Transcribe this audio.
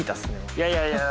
いやいやいや。